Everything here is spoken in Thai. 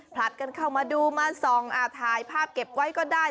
ผลัดกันเข้ามาดูมาส่องถ่ายภาพเก็บไว้ก็ได้